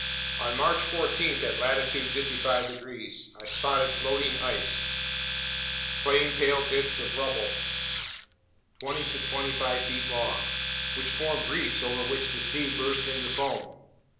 On March 14 at latitude 55 degrees, I spotted floating ice, plain pale bits of rubble twenty to twenty five feet long, which formed reefs over which the sea burst into foam.